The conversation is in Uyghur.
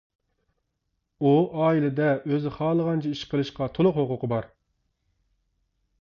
ئۇ ئائىلىدە ئۆزى خالىغانچە ئىش قىلىشقا تولۇق ھوقۇقى بار.